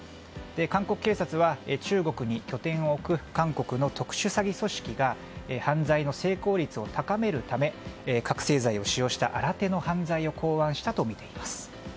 韓国警察は中国に拠点を置く韓国の特殊詐欺組織が犯罪の成功率を高めるため覚醒剤を使用した新手の犯罪を考案したとみています。